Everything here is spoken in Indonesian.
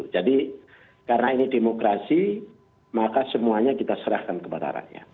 jadi karena ini demokrasi maka semuanya kita serahkan kepada rakyat